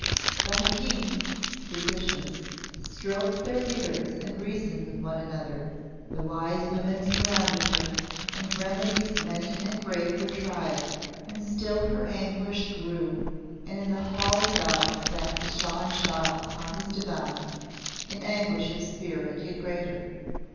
The hakims (physicians) stroked their beards and reasoned one with another; the wise women surrounded her, and remedies many and great were tried; and still her anguish grew, and in the hall without sat the Shah in Shah upon his divan, in anguish of spirit yet greater.